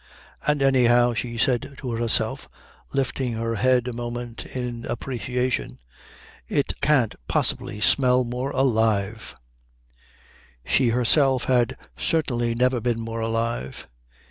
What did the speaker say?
"And anyhow," she said to herself, lifting her head a moment in appreciation, "it can't possibly smell more alive." She herself had certainly never been more alive.